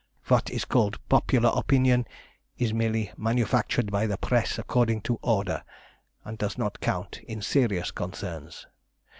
What is called popular opinion is merely manufactured by the Press according to order, and does not count in serious concerns.